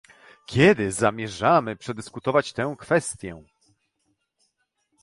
Kiedy zamierzamy przedyskutować tę kwestię?